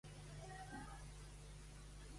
Forma el paleocòrtex i és rudimentari al cervell humà.